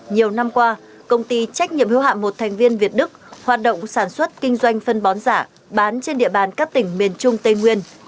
nhiều năm qua công ty trách nhiệm hưu hạm một thành viên việt đức hoạt động sản xuất kinh doanh phân bón giả bán trên địa bàn các tỉnh miền trung tây nguyên